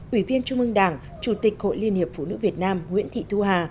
ủy viên trung ương đảng chủ tịch hội liên hiệp phụ nữ việt nam nguyễn thị thu hà